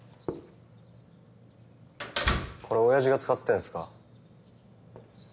これ親父が使ってたやつか？